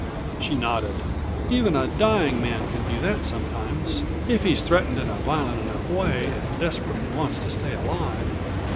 She nodded. "Even a dying man can do that sometimes, if he's threatened in a violent enough way and desperately wants to stay alive.